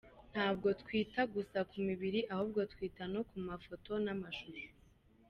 Ntabwo twita gusa ku mibiri ahubwo twita no ku mafoto n’amashusho.